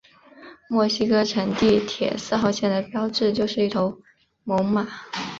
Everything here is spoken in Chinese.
墨西哥城地铁四号线的标志就是一头猛犸。